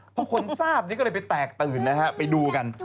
เพราะคนทราบนี่ก็เลยไปแตกตื่นนะครับไปดูกัน